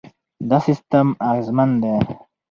دا سیستم اغېزمن دی.